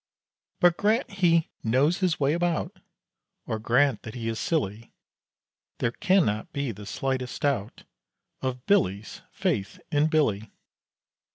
But grant he "knows his way about", Or grant that he is silly, There cannot be the slightest doubt Of Billy's faith in Billy.